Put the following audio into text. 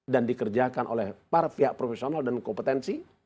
dan dikerjakan oleh para pihak profesional dan kompetensi